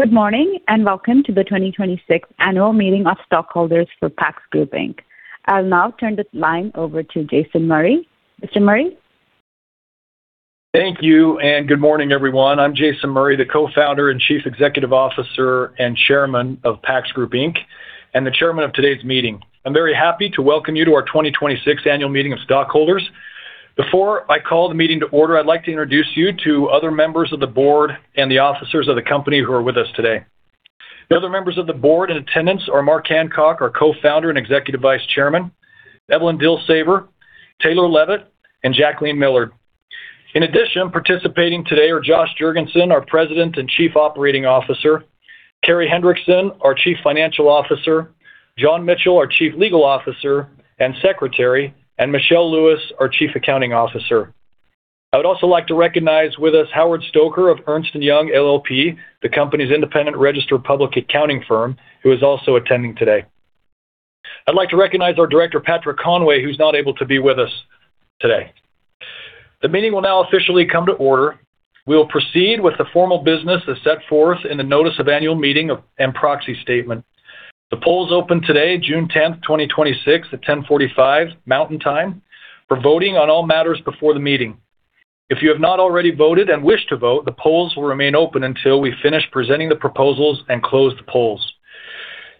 Good morning, welcome to the 2026 Annual Meeting of Stockholders for PACS Group, Inc. I'll now turn the line over to Jason Murray. Mr. Murray? Thank you, good morning, everyone. I'm Jason Murray, the Co-Founder and Chief Executive Officer and Chairman of PACS Group, Inc., and the Chairman of today's meeting. I'm very happy to welcome you to our 2026 Annual Meeting of Stockholders. Before I call the meeting to order, I'd like to introduce you to other members of the Board and the officers of the company who are with us today. The other members of the Board in attendance are Mark Hancock, our Co-Founder and Executive Vice Chairman, Evelyn Dilsaver, Taylor Leavitt, and Jacque Millard. In addition, participating today are Josh Jergensen, our President and Chief Operating Officer, Carey Hendrickson, our Chief Financial Officer, John Mitchell, our Chief Legal Officer and Secretary, and Michelle Lewis, our Chief Accounting Officer. I would also like to recognize with us Howard Stoker of Ernst & Young LLP, the company's independent registered public accounting firm, who is also attending today. I'd like to recognize our Director, Patrick Conway, who is not able to be with us today. The meeting will now officially come to order. We will proceed with the formal business as set forth in the notice of annual meeting and proxy statement. The polls opened today, June 10th, 2026, at 10:45 A.M. Mountain Time, for voting on all matters before the meeting. If you have not already voted and wish to vote, the polls will remain open until we finish presenting the proposals and close the polls.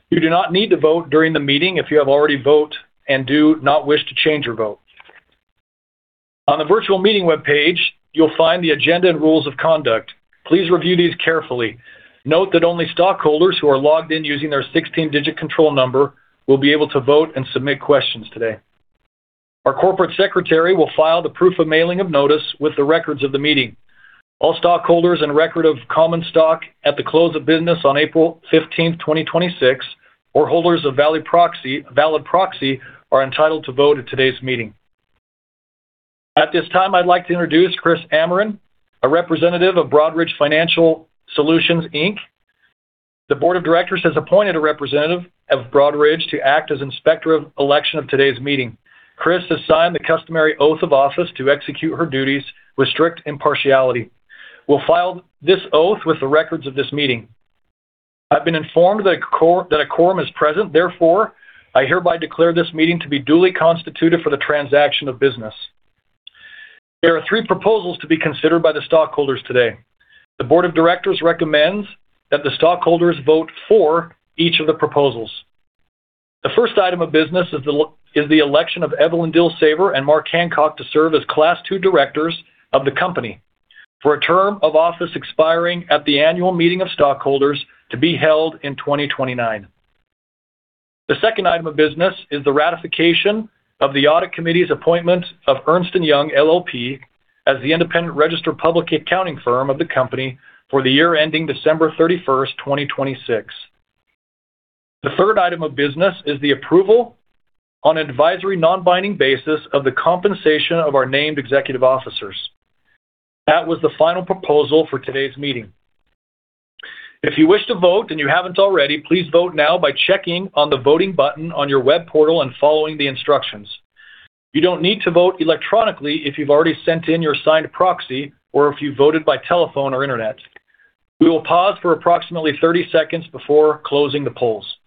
You do not need to vote during the meeting if you have already voted and do not wish to change your vote. On the virtual meeting webpage, you'll find the agenda and rules of conduct. Please review these carefully. Note that only stockholders who are logged in using their 16-digit control number will be able to vote and submit questions today. Our Corporate Secretary will file the proof of mailing of notice with the records of the meeting. All stockholders and record of common stock at the close of business on April 15th, 2026, or holders of a valid proxy, are entitled to vote at today's meeting. At this time, I'd like to introduce Chris Ameren, a representative of Broadridge Financial Solutions, Inc. The Board of Directors has appointed a representative of Broadridge to act as Inspector of Election of today's meeting. Chris has signed the customary oath of office to execute her duties with strict impartiality. We'll file this oath with the records of this meeting. I've been informed that a quorum is present. Therefore, I hereby declare this meeting to be duly constituted for the transaction of business. There are three proposals to be considered by the stockholders today. The Board of Directors recommends that the stockholders vote for each of the proposals. The first item of business is the election of Evelyn Dilsaver and Mark Hancock to serve as Class II Directors of the company for a term of office expiring at the annual meeting of stockholders to be held in 2029. The second item of business is the ratification of the audit committee's appointment of Ernst & Young LLP as the independent registered public accounting firm of the company for the year ending December 31st, 2026. The third item of business is the approval on an advisory, non-binding basis of the compensation of our named executive officers. That was the final proposal for today's meeting. If you wish to vote and you haven't already, please vote now by checking on the voting button on your web portal and following the instructions. You don't need to vote electronically if you've already sent in your signed proxy or if you voted by telephone or internet. We will pause for approximately 30 seconds before closing the polls.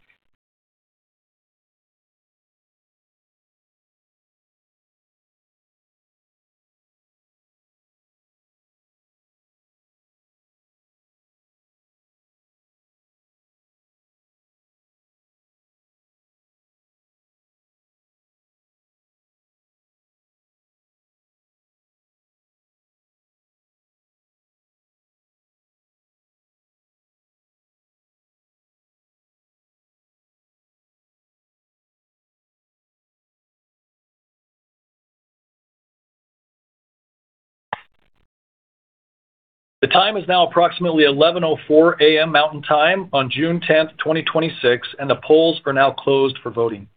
The time is now approximately 11:04 A.M. Mountain Time on June 10th, 2026. The polls are now closed for voting.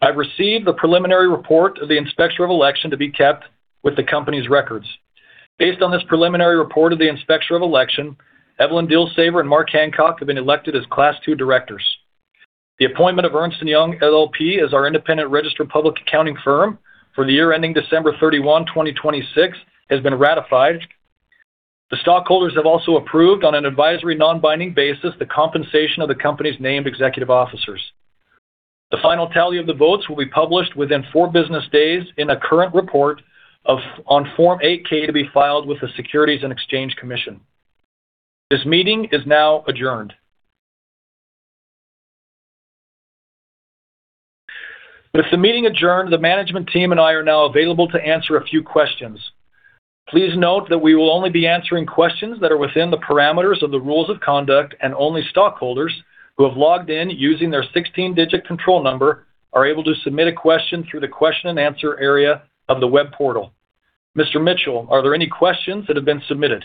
I've received the preliminary report of the Inspector of Elections to be kept with the company's records. Based on this preliminary report of the Inspector of Elections, Evelyn Dilsaver and Mark Hancock have been elected as Class II Directors. The appointment of Ernst & Young LLP as our independent registered public accounting firm for the year ending December 31, 2026, has been ratified. The stockholders have also approved, on an advisory non-binding basis, the compensation of the company's named executive officers. The final tally of the votes will be published within four business days in a current report on Form 8-K to be filed with the Securities and Exchange Commission. This meeting is now adjourned. With the meeting adjourned, the management team and I are now available to answer a few questions. Please note that we will only be answering questions that are within the parameters of the rules of conduct, and only stockholders who have logged in using their 16-digit control number are able to submit a question through the question-and-answer area of the web portal. Mr. Mitchell, are there any questions that have been submitted?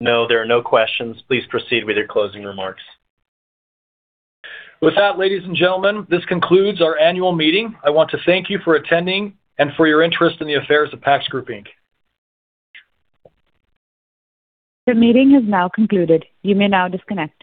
No, there are no questions. Please proceed with your closing remarks. With that, ladies and gentlemen, this concludes our annual meeting. I want to thank you for attending and for your interest in the affairs of PACS Group, Inc. The meeting has now concluded. You may now disconnect.